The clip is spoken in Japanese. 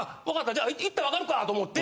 じゃあ行ったらわかるかと思って。